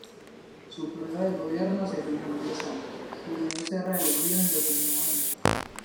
Su período de gobierno se fijó en diez años, pudiendo ser reelegido indefinidamente.